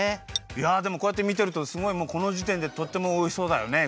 いやでもこうやってみてるとすごいもうこのじてんでとってもおいしそうだよね。